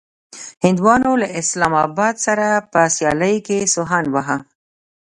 هنديانو له اسلام اباد سره په سيالۍ کې سوهان واهه.